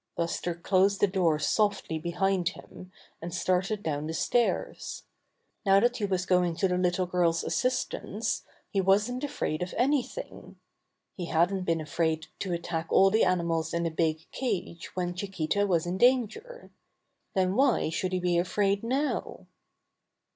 Buster closed the door softly behind him and started down the stairs. Now that he was going to the little girl's assistance he wasn't afraid of anything. He hadn't been afraid to attack all the animals in the big cage when Chiquita was in danger. Then why should he be afraid now!